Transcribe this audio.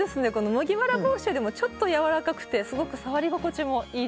麦わら帽子よりもちょっとやわらかくてすごく触り心地もいいです。